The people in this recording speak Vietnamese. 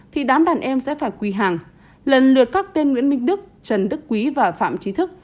thì đám đàn em sẽ phải quỳ hàng lần lượt các tên nguyễn minh đức trần đức quý và phạm trí thức